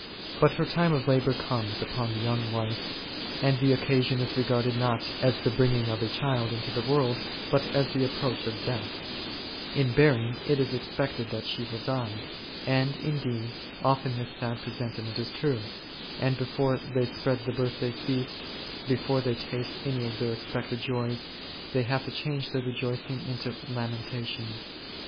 But her time of labour comes upon the young wife ; and the occasion is regarded not as the bringing of a child into the world, but as the approach of death ; in bearing it is expected that she will die; and, indeed, often this sad presentiment is true, and before they spread the birthday feast, before they taste any of their expected joys, they have to change their rejoicing into lamentation.